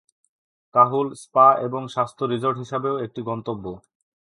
কাহুল spa এবং স্বাস্থ্য resort হিসাবেও একটি গন্তব্য।